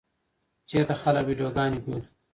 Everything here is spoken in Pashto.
چېرته خلک ویډیوګانې ګوري؟